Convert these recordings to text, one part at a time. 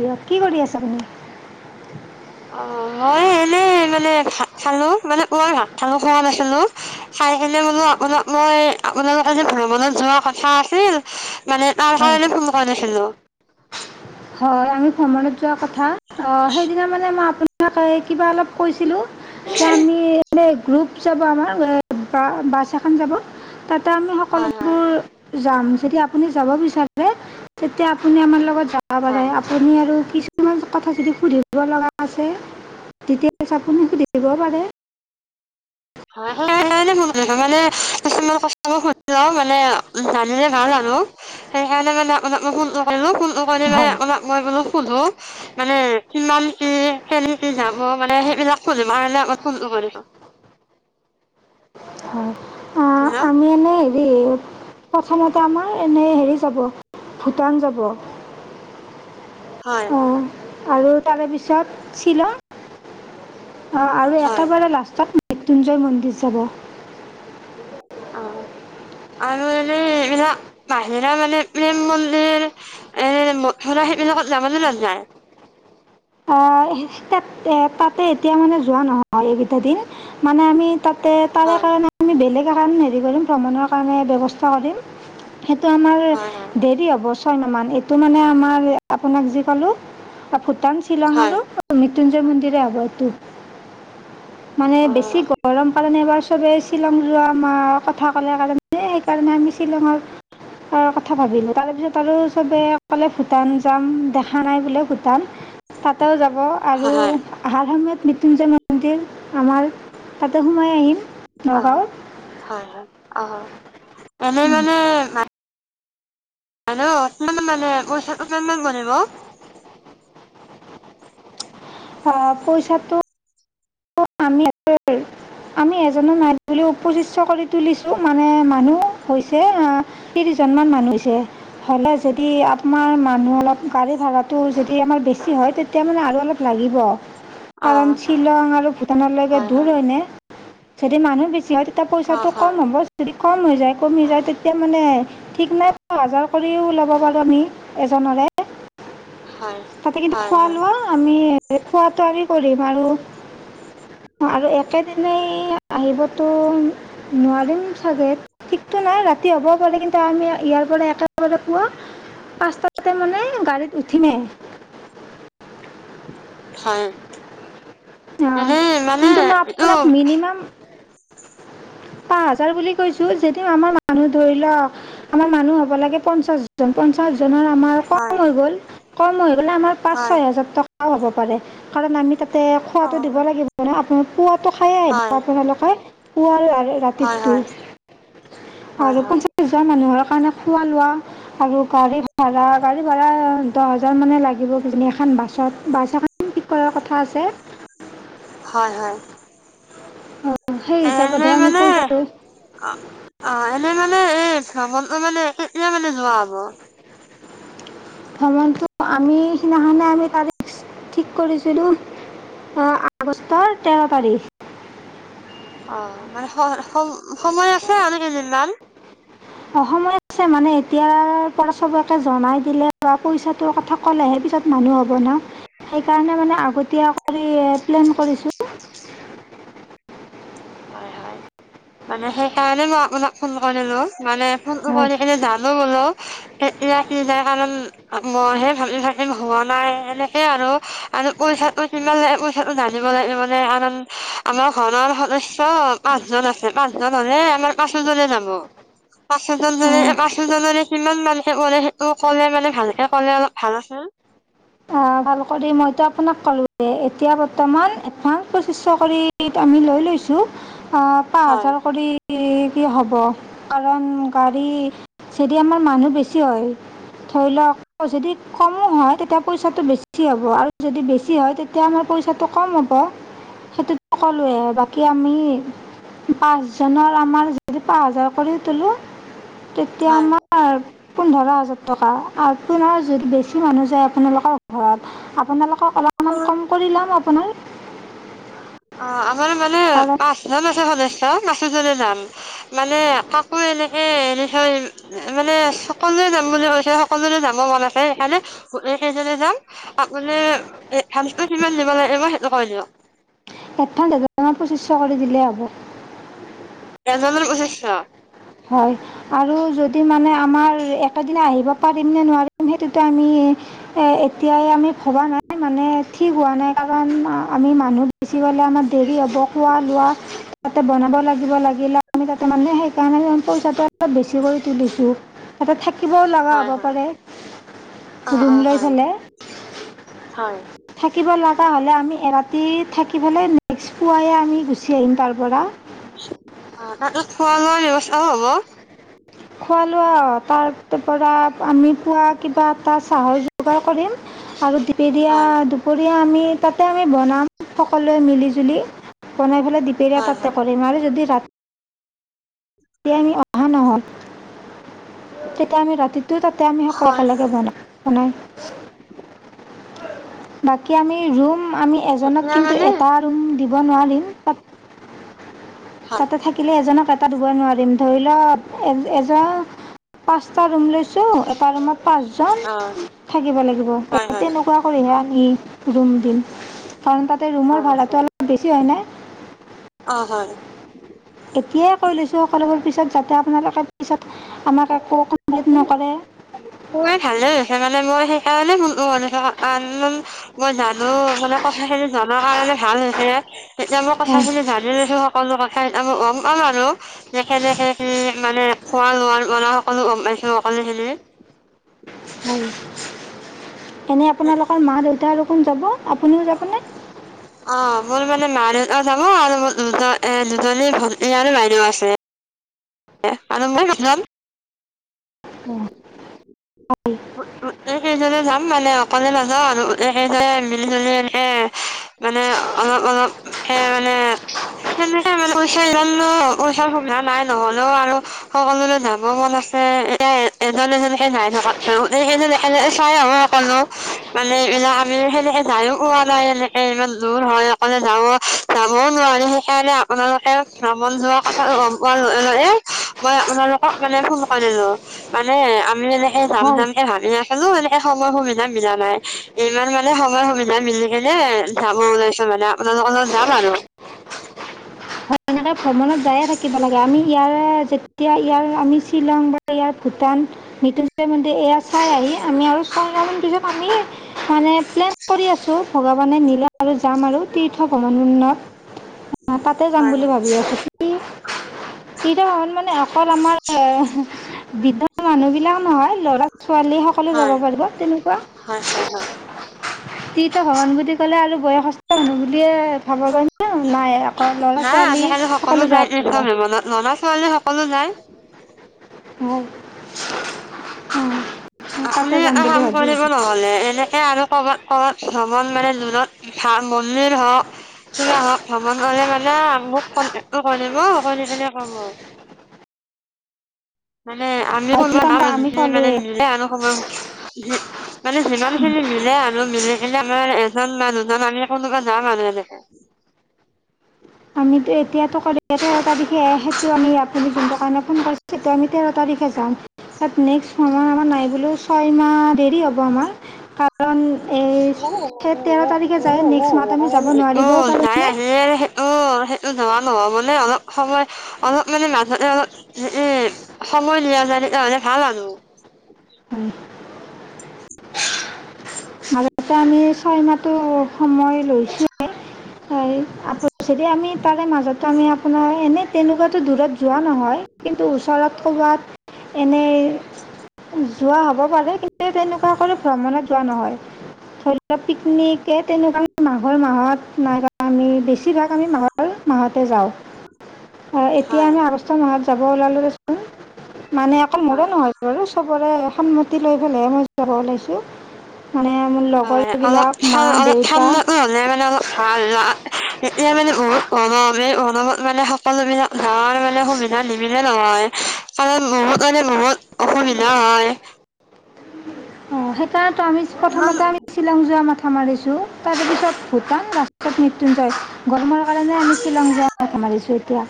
দিয়ক কি কৰি আছে আপুনি? অঁ, মই এনেই মানে ভাত খালো মানে মই ভাত খোৱা নাছিলো। খাই ফেল বুলু মানে আপোনাক মই আপোনালোকে যে ভ্ৰমণত যোৱা কথা আছিল মানে তাৰ হয় কাৰনে ফন কৰিছিলো। হয়, আমি ভ্ৰমণত যোৱা কথা অঁ সেইদিনা মানে মই আপোনাকে কিবা অলপ কৈছিলোঁ। আমি এ এ গ্ৰুপ যাব আমাৰ বাছ এখন যাব। তাতে আমি হয় হয় সকলোবোৰ যাম যদি আপুনি যাব বিচাৰে, তেতিয়া আপুনি আমাৰ লগত যাব পাৰে। আপুনি আৰু কি কিছুমান কথা যদি সুধিব লগা থাকে, তেতিয়া আপুনি সুধি দিব পাৰে। [inaudible] অ মানে জানিলে ভাল আৰু। সেইকাৰণে মানে আপোনাক মই ফোনটো কৰিলোঁ ফোন কৰিকেনে মানে হয় আপোনাক মই বোলো সুধোঁ। মানে কিমান কি কেনেকে যাব মানে সেইবিলাক সুধিব কাৰণে আগত ফোন কৰিছো। হয় অ হেল্ল' আমি এনেই হেৰি প্ৰথমতে আমাৰ এনেই হেৰি যাব ভূটান যাব। [inaudible] হয়। আৰু তাৰে পিছত শ্বিলং অঁ আৰু হয় একেবাৰে লাষ্টত মৃত্যুঞ্জয় মন্দিৰ যাব অ আৰু এনে এইবিলাক বাহিৰা মানে প্ৰেম মন্দিৰ এ [unintelligible] সেইবিলাকত যাবলৈ নাযায়। হয়, তাতে, তাতে এতিয়া মানে যোৱা নহয় এইকিটাদিন মানে আমি তাতে, তাৰে হয় কাৰণে আমি বেলেগৰ কাৰণে হেৰি কৰিম, ভ্ৰমণৰ কাৰণে ব্যৱস্থা কৰিম। সেইটো আমাৰ হয় হয় দেৰি হ'ব ছয়মাহমান, এইটো মানে আমাৰ আপোনাক যি ক'লোঁ, ভূটান, শ্বিলং হয় আৰু - মৃত্যুঞ্জয় মন্দিৰে হ'ব এইটো, মানে অ বেছি গৰম সেইকাৰণে এবাৰ চবেই শ্বিলং যোৱা মা কথা ক'লে কাৰণে, সেইকাৰণে আমি শ্বিলঙৰ - কথা ভাবিলো তাৰপিছত আৰু চবে ক'লে ভূটান যাম দেখা নাই বোলে, ভূটান তাতেও যাব আৰু হয় হয় - আহাৰ সময়ত মৃত্যুঞ্জয় মন্দিৰ আমাৰ, তাতে সোমাই আহিম। অঁ, নগাঁৱত হয় -হয়। অঁ, এনে মানে - হেল্লো, অকমান মানে মোৰ ওচৰত - অকমান বনাব। অ পইচাটো [unintelligible] আমি আ [unintelligible] আমি এজনক [unintelligible] বুলি উপ [unintelligible] কৰি তুলিছোঁ মানে মানুহ হৈছে, আ ত্ৰিশ জন মান মানুহ হৈছে। হ'লে যদি, আপোনাৰ মানুহ অলপ, গাড়ী ভাড়াটো যদি আমাৰ বেছি হয়, তে তেতিয়া মানে আৰু অলপ লাগিব। অ কাৰণ শ্বিলং আৰু ভূটানলৈকে হয় দূৰ হয় হয়নে যদি মানুহ বেচি হয়। এতিয়া অ পইচাটো হয় কম হ'ব যদি কম হৈ যায় কমি যায় তেতিয়া মানে। ঠিক নাই প হাজাৰ কৰিও ল'ব পাৰোঁ আমি এজনৰে! হয়! তাতে কিন্তু হয় খোৱা হয় লোৱা আমি খোৱাটো আমি কৰিম আৰু আৰু একেদিনাই আহিবতো নোৱাৰিম চাগে! ঠিকতো নাই ৰাতি হ'বও পাৰে কিন্তু আমি ইয়াৰ পৰা একেবাৰে পুৱা। পাঁচটাতে মানে গাড়ীত উঠিমে! হয়! অঁ, এনেই মানে কিন্তু মই এইটো আপোনাক মিনিমাম। পাঁচ হাজাৰ বুলি কৈছোঁ যদিও আমাৰ মানুহ ধৰি ল আমাৰ মানুহ হ'ব লাগে পঞ্চাশ। পঞ্চাশজনৰ আমাৰ কম হয় হৈ গ'ল কম হৈ গ'লে আমাৰ পাঁচ হয় ছয় হাজাৰ টকা। ও, হ'ব পাৰে, কাৰণ আমি তাতে অ খোৱাটো দিব লাগিব ন আপোনাৰ খোৱা। টো, খাইয়ে হয় আহিব আপোনালোকে পুৱা হয় ৰাতিতটো হয় হয় আৰু হয় পঞ্চা। নিজৰ মানুহৰ কাৰণে খোৱা লোৱা। আৰু গাড়ী ভাড়া, গাড়ী ভাড়া দহ হাজাৰ মানে লাগিব কিজানি এখান বাছত বাছ এখন। ঠিক কৰাৰ কথা আছে! হয়, হয়! সেই এনে হিচাপতহে আমি মানে পইচাটো অ', অ' এনেই মানে এই চাবলৈ মানে কেতিয়া মানে যোৱা হব? ভ্ৰমণটো আমি সিদিনাখনে আমি তাৰিখ ঠিক কৰিছিলোঁ! অঁ, আগষ্টৰ তেৰ তাৰিখ! অ', মানে সম সময় আছে আৰু কেইদিনমান? অঁ সময় আছে মানে এতিয়াৰ পৰা চবকে জনাই দিলে বা পইচাটোৰ কথা। ক'লেহে পিছত মানুহ হ'বনা, সেইকাৰণে মানে আগতীয়া কৰি প্লেন কৰিছোঁ! হয়, হয়! মানে সেইকাৰণে মই আপোনাক ফোন কৰিলোঁ! মানে ফোনটো কৰি কিনে। এতিয়া সি নাই কাৰণ মইহে ভাবি থাকিম হোৱা নাই এনেকে আৰু! আৰু পইচাটো যিমান লাগে পইচাটো নানিব লাগে মানে কাৰণ আমাৰ ঘৰৰ সদস্য। ত' পাঁচজন আছে পাঁচজন হ'লে আমাৰ পাঁচোজনে যাব! পাঁচোজন হ'লে হয় পাঁচোজনৰে কিমান মানকে পৰে সেইটো ক'লে মানে ভালকে ক'লে অলপ ভাল আছিল! ভালকৰি মইতো আপোনাক ক'লোঁয়েই! এতিয়া বৰ্তমান এডভান্স পঁছিচশ কৰি আমি লৈ লৈছোঁ! আহ পাঁচ হাজাৰ কৰি। কি হ'ব কাৰণ গাড়ী যেদি আমাৰ মানুহ বেছি হয়! ধৰি লওক আকৌ যদি কমো হয় তেতিয়া। পইচাটো বেছি হ'ব আৰু যদি বেছি হয় তেতিয়া আমাৰ পইচাটো কম হ'ব! সেইটোতো ক'লোৱে, বাকী আমি। পাঁচজনৰ আমাৰ যদি পাঁচ হাজাৰ কৰি তোলোঁ। তেতিয়া আমাৰ পোন্ধৰ হাজাৰ টকা আৰু পু যদি বেছি মানুহ যায়। আপোনালোকৰ ঘৰত আপোনালোকক অলপমান কম কৰি ল'ম আপোনাৰ! অঁ আমাৰ মানে কাৰণ পাঁচজন আছে সদস্য, পাঁচোজনে যাম! মানে কাকো এনেকে এৰি থৈ। মানে সকলোৰে যাম বুলি কৈছে সকলোৰে যাব মন আছে সেইকাৰালে গোটেই কেইজনে যাম! আপুনি এডভান্সটো কিমান দিব লাগিব? সেইটো কৈ দিয়ক। এডভান্স এজনৰ পঁচিছশ কৰি দিলেই হ'ব। এজনৰ পচিছশ হয়। আৰু যদি মানে আমাৰ এটা দিনে আহিব পাৰিম নে নোৱাৰিম সেইটো তে‌ আমি এ এতিয়াই আমি ভবা নাই মানে ঠিক হোৱা নাই কাৰণ আমি মানুহ বেছি হ'লে আমাৰ দেৰি হ'ব, খোৱা লোৱা তাতে বনাব লাগিব, লাগিলে আমি তাতে মানে সেই তেনেকে আমি পইচাটো অলপ বেছি কৰি তুলিছোঁ। তাতে থাকিবও লগা হয়, হ'ব হয়। পাৰে, অ', ৰুম অ', লৈ হয়, ফেলাই। হয় থাকিব লগা হ'লে আমি এৰাতি থাকিবলে নেক্স পুৱাইৱে আমি গুচি আহিম তাৰ পৰা। অঁ তাতো খোৱা লোৱাৰ ব্যৱস্থাও হ'ব। খোৱা লোৱা আ তাৰ পৰা আমি পুৱা কিবা এটা চাহৰ যোগাৰ কৰিম। আৰু দিপে দিয়া হয়, দুপ দুপৰিয়া আমি তাতে আমি বনাম, সকলোৱে মিলি জুলি। বনাই পেলাই দি পেৰা হয়, তাতে হয়। কৰিম আৰু যদি ৰাত তি আমি অহা নহ'ল তেতিয়া আমি ৰাতিটো তাতে আমি সকলো হয়, একে লগে বনা বনাই [unintelligible] বাকী আমি ৰুম আমি এজনক এতিয়া কিন্তু মানে এটা ৰুম দিব নোৱাৰিম, তাত হয়, তাতে থাকিলে এজনক এটা দিবই নোৱাৰিম, ধৰি ল' এ এজন পাচটা ৰুম লৈছোঁ, এটা ৰুমত পাঁচজন অ', থাকিব লাগিব। হয়, এ হয়। তেনেকুৱা কৰিহে আমি ৰুম দিম কাৰণ তাতে ৰুমৰ ভাড়াটো অলপ বেছি হয় নে? অঁ হয় এতিয়াই কৈ লৈছোঁ সকলোবোৰ পিছত যাতে আপোনালোকে পিছত আমাক একো কমপ্লিট নকৰে। ও আই ভালে হৈছে মানে মই সেইকাৰণে ফোনটো‌ কৰিছো আনন'ন মই জানো মানে কথা খিনি জানাৰ কাৰণে ভাল হৈছো। তেতিয়া মই হয় কথাখিনি জানি লৈছো সকলো কথাই গ'ম পাম আৰু। সেকেনে খিনি মানে খোৱা লোৱাৰ পৰা‌ সকলো গ'ম পাইছো সকলো খিনি। হয়, এনেই আপোনালোকৰ মা দেউতা আৰু কোন যাব, আপুনিও যাবনে? অঁ, মোৰ মানে মা দেউতাও যাব আৰু মোৰ দুজ দুজনী ভনী আৰু বাইদেউ আছে। [inaudible] আৰু‌ মই‌ গুচি যায়। [inaudible] হয় সেইজনে যাম মানে অকলে নাযাওঁ আৰু গোটেই কেইজনে মিলি জুলি এনেকে মানে অলপ অলপ কে মানে তেনে মানে পইচাৰ ইমানো পইচাৰ সুবিধা নাই নহ'লেও আৰু সকলোৰে যাব মন আছে, এতিয়া এজন এজনকে যায় থকা যাওতে কিন্তু তেখেতে এনে চাই আহো অক'নো মানে এইবিলাক আমি সেনেকে যায়ও পোৱা নাই এনে, এ ইমান দূৰ হয়, অকলে যাব যাবও নোৱাৰো সেইকাৰণে আপোনালোকেও ভ্ৰমণ যোৱা কথা গ'ম পোৱাৰ লগে-লগে মই আপোনালোকক মানে ফোন কৰিলো। মানে আমি মানে সেই হয় সিমানকে ভাৱি আছিলোঁ, এনেকে সময়ৰ সুবিধা মিলা নাই ইমান মানে সময়ৰ সুবিধা মিলি কেনে যাব ওলাইছোঁ মানে, আপোনালোকৰ লগত যাম আৰু। এনেকা ভ্ৰমণত যায়ে থাকিব লাগে আমি ইয়াৰে যেতিয়া ইয়াৰ আমি শিলং বা ইয়াৰ ভূটান মিতুনজ‌য় মন্দিৰ এয়া চাই আহি আমি আৰু চয় মাহ মান পিছত আমি মানে প্লেন- কৰি আছোঁ ভগৱানে নিলে আৰু যাম আৰু তীৰ্থ ভ্ৰমণন্নত। অ', তাতে যাম হয় হয় বুলি ভাবি আছোঁ। কি [inaudible] বৃদ্ধৰ মানুহ বিলাক নহয়, লৰা-ছোৱালী সকলো যাব হয় পাৰিব তেনেকুৱা। হয় হয় হয়। তৃথভমন বুলি ক'লে আৰু বয়সস্থ মানহ বুলিয়ে ভাব নাই আকৌ ল'ৰা নাই ছোৱালী আজিকালি সকলো যায় নিছে লৰা ছোৱালী সকলো যায়। হয়, উম্। আপুনি এটা কাম কৰিব নহলে, এনেকে আৰু কৰ'বাত ক'বাত ভ্ৰমণ মানে জুনত ভা মন্দিৰ হওক- কি আহক ভ্ৰমণ কৰিলে মানে, মোক কণ্টেক টো কৰিব ক'ব। মোক কেনে কম আৰু মানে আমি এতিয়া আমি ক'লোৱে মানে নিলে আনো মানে যিমান খিনি মিলে আনো মিলি কেলে আমাৰ এজন মানুহজন আানি কোনোবা যাম মানুহ এনেকে। আমিতো এতিয়া এটা বিষ সেইটো আমি আপুনি যোনটো কাৰণে ফোন কৰি সেইটো আমি তেৰ তাৰিখে যাম, তাত নেক্সট সময় আমাৰ নাই বুলিও, ছয়মাহ দেৰি হ'ব আমাৰ। কাৰণ এই অঁ সেই তেৰ তাৰিখে যায় নেক্সট মাহত আমি যাব নোৱাৰিবও নাই পাৰোঁনে যে। আহিলে অঁ সেইটো যোৱা নহয় মানে অলপ সময় অলপ মানে মাজতে অলপ উম সময় দিয়া যায় তাৰ মানে ভাল আৰু। উম। [inaudible] মাজতে আমি ছয় মাহটো সময় লৈছো। [unintelligible] যেতিয়া আমি তাৰে মাজতে আপোনাৰ এনে তেনেকুৱাতো দূৰত যোৱা নহয় কিন্তু ওচৰত ক'ৰবাত এনেই যোৱা হ'ব পাৰে, কিন্তু তেনেকুৱা কৰি ভ্ৰমণত যোৱা নহয়। ধৰি লোৱাক পিকনিকে তেনেকুৱা মাঘৰ মাহত নাই আমি বেছিভাগ আমি মাঘৰ মাহতে যাওঁ এতিয়া হয় আমি আগষ্ট মাহত যাব ওলালোঁ দে চোন মানে অকল মোৰে হয় নহয় বাৰু চবৰে সন্মতি লৈ পেলাইহে মই ওলাইছোঁ। মানে হয় অলপ লগৰবিলাক মা অলপ দেউতা ঠাণ্ডাটো হ'লে মানে অলপ ভাল এতিয়া মানে বহুত কণৱে পণৱত মানে অবিধা ধাৰ মানে সুবিধা ল সুবিধা নহয় কাৰণ বহু কাৰণে বহুত অসুবিধা হয়। অ', সেইকাৰণেতো আমি, ইমান প্ৰথমতে আমি শ্বিলং যোৱা মাথা মাৰিছো তাৰ পিছত ভূটান লাষ্টত মৃতুঞ্জয়। গৰমৰ কাৰণে আমি শ্বিলং যোৱা মাথা মাৰিছোঁ এতিয়া।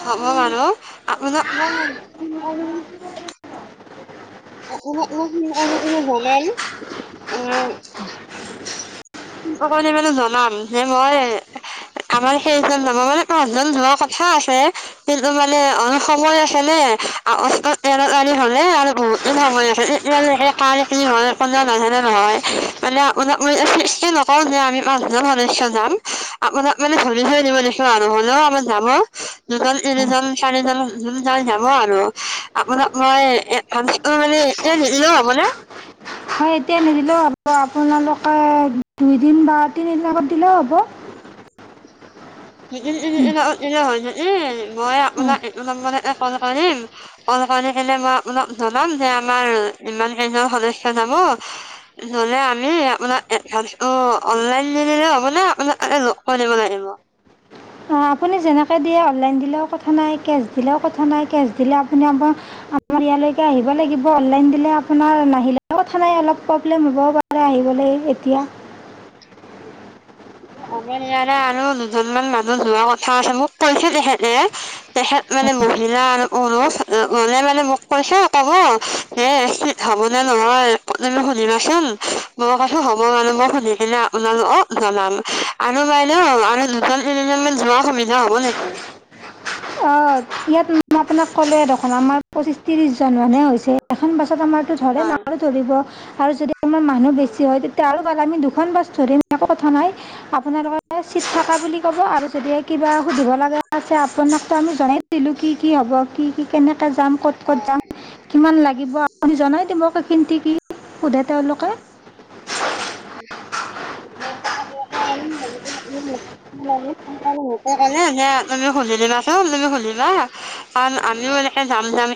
হব বাৰু মই আপোনাক ফোন কৰিম। বনাই আনিম অকলে মানো জনাম হে মই আমাৰ সেইজন লগৰ মানে পাঁচজন যোৱাৰ কথা আছে। সেইটো মানে অলপ সময় আছে নে আৰু অষ্ট এ আনি হলে আৰু বহুত। এতিয়ালকে ক ননে নহয় মানে আপোনাক ম ন [unintelligible] কওঁ যে আমি পাঁচজন সদস্য যাম, আপোনাক মানে ধৰি ধৈ দিব লাগিব আৰু হলেও আমাৰ যাব। দুজন, তিনিজন, চাৰিজন যোন যায় যাব আৰু আপোনাক মই এ ভাল অ' মানে এতিয়া নিদিলেও হ'বনে? হয় এতিয়া নিদিলেও হ'ব, আপোনালোকে দুইদিন বা তিনিদিন আগত দিলেও হ'ব। দুদিন, তিনিদিন অলপ এনে হৈছে এই, মই অঁ আপোনাক এইটো নম্বৰতে কল কৰিম কল কৰি কেনে মই আপোনাক জনাম যে আমাৰ ইমান কেইজন সদস্য যাব নহ'লে আমি আপোনাৰ এডভানষ্টো অনলাইন দিলে হ'ব নে আপোনাক লগ পায় দিব লাগিব? অ আপুনি যেনেকৈ দিয়ে অনলাইন দিলেও কথা নাই, কেচ দিলেও কথা নাই, কেচ দিলে আপুনি আমাৰ [unintelligible] ইয়াৰলৈকে আহিব লাগিব, অনলাইন দিলে তেনেহ'লে নাহিলেও কথা নাই, অলপ প্ৰব্লেম হ'বও পাৰে আহিবলৈ এতিয়া। [unintelligible] অমেন ইয়াৰে আৰু দুজনমান মানুহ যোৱা কথা আছে মোক কৈছে তেখেতে তেখেত মানে মহিলা আৰু পুৰুষ অ মানে মোক কৈছে ক'ব এ এফচিত হ'বনে নহয় তুমি সুধিবাচোন? মই কৈছোঁ হ'ব বাৰু মই সুধিম। সেইনা আপোনালোকক জনাম আৰু বাইদেউ আৰু দুজন, তিনিজন মান যোৱাৰ সুবিধা হ'ব লাগিব। অ' এতিয়া মই আপোনাক কলোৱে দেখোন আমাৰ পঁচিশ, ত্ৰিশজন মানুহে হৈছে। এখন বাছত আমাৰতো ধৰে ন হয় ধৰিব আৰু যদি আমাৰ মানুহ বেছি হয় তেত তিয়া আৰু ভাল আমি দুখন বাছ ধৰিম একো কথা নাই, আপোনালোকৰ এ চিট থকা বুলি ক'ব আৰু যদিহে কিবা সুধিব লগা আছে আপোনাকটো আমি জনাই দিলোঁ। কি কি হ'ব, কি কি কেনেকে যাম, ক'ত ক'ত যাম, কিমান লাগিব, আপুনি জনাই দিব কিন্তি কি সোধে তেওঁলোকে? [unintelligible] [unintelligible] লোকে কলে যে আপুনি সুধি দিবাচোন। তুমি সুধিবা কাৰণ আমিও এনেকে যাম যাম